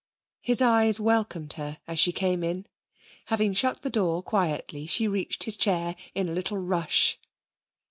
His eyes welcomed her as she came in. Having shut the door quietly, she reached his chair in a little rush.